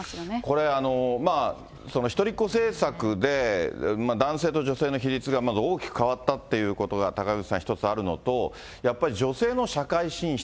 これ、まあ、一人っ子政策で男性と女性の比率がまず大きく変わったということが高口さん、１つあるのと、やっぱり女性の社会進出。